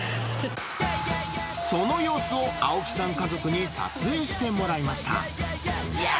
その様子を青木さん家族に撮影してもらいました。